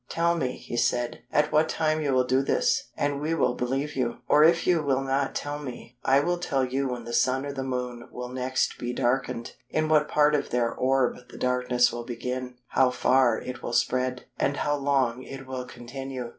'Tell me,' he said, 'at what time you will do this, and we will believe you; or if you will not tell me, I will tell you when the Sun or the Moon will next be darkened, in what part of their orb the darkness will begin, how far it will spread, and how long it will continue.